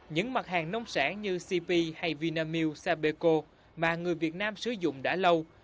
những mặt hàng nông sản như cp hay vinamilk sapeco mà người việt nam sử dụng đã lâu